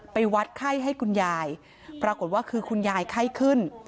ไปวัดไข้ให้คุณยายปรากฏว่าคือคุณยายไข้ขึ้น